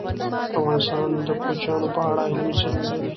افغانستان د کوچیان په اړه علمي څېړنې لري.